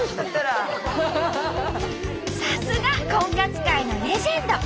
さすが婚活界のレジェンド！